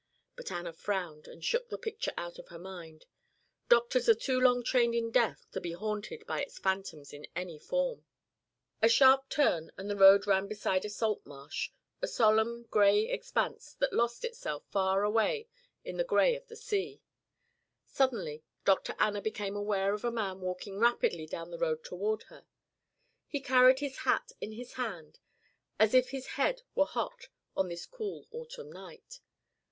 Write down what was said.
But Anna frowned and shook the picture out of her mind. Doctors are too long trained in death to be haunted by its phantoms in any form. A sharp turn and the road ran beside a salt marsh, a solemn grey expanse that lost itself far away in the grey of the sea. Suddenly Dr. Anna became aware of a man walking rapidly down the road toward her. He carried his hat in his hand as if his head were hot on this cool autumn night.